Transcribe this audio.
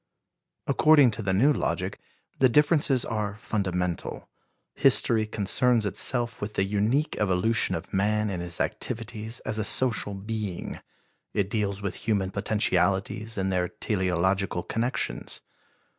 According to the new logic, the differences are fundamental. History concerns itself with the unique evolution of man in his activities as a social being. It deals with human potentialities in their teleological connections.